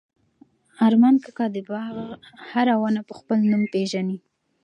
ارمان کاکا د باغ هره ونه په خپل نوم پېژني.